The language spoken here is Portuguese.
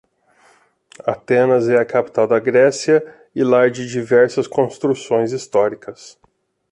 Atenas é a capital da Grécia e lar de diversas construções históricas